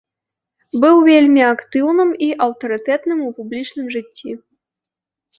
Быў вельмі актыўным і аўтарытэтным у публічным жыцці.